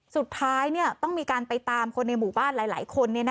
สุดท้ายต้องมีการไปตามคนในหมู่บ้านหลายคน